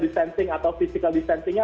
distancing atau physical distancing nya